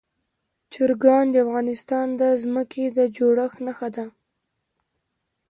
چرګان د افغانستان د ځمکې د جوړښت نښه ده.